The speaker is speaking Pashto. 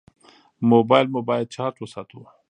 موبایل مو باید چارج وساتو.